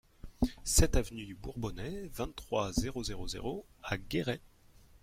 sept avenue du Bourbonnais, vingt-trois, zéro zéro zéro à Guéret